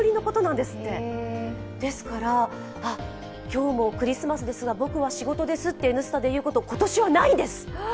今日もクリスマスですが僕は仕事ですって「Ｎスタ」で言うこと、今年はないんです。